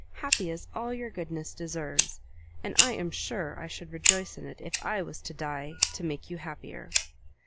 happy as all your goodness deserves. And I am sure I should rejoice in it if I was to die to make you happier!"